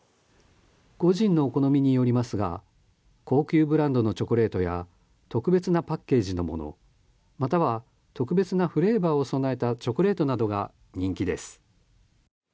個人のお好みによりますが高級ブランドのチョコレートや特別なパッケージのものまたは特別なフレーバーを備えたチョコレートなどが人気です。